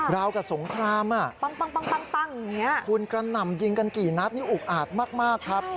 ราวกระสุนพร้ำคุณกระหน่ำยิงกันกี่นัทอุกอาดมากครับ